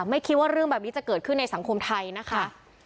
ไม่คิดว่าเรื่องแบบนี้จะเกิดขึ้นในสังคมไทยนะคะ